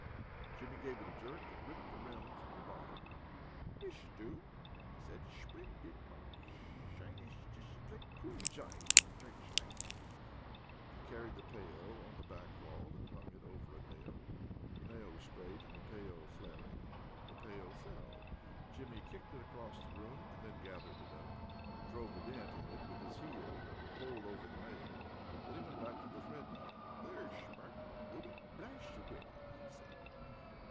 Jimmy gave it a jerk, and ripped the rim from the bottom. "Thish do," he said. "Splendid marksh. Shinesh jish like coon's eyesh in torch light." He carried the pail to the back wall and hung it over a nail. The nail was straight, and the pail flaring. The pail fell. Jimmy kicked it across the room, and then gathered it up, and drove a dent in it with his heel that would hold over the nail. Then he went back to the Thread Man. "Theresh mark, Ruben. Blash away!" he said.